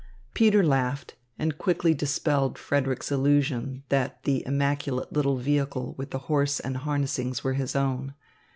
Peter laughed and quickly dispelled Frederick's illusion, that the immaculate little vehicle with the horse and harnessings were his own.